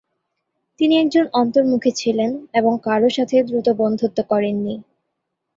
তিনি একজন অন্তর্মুখী ছিলেন এবং কারও সাথে দ্রুত বন্ধুত্ব করেননি।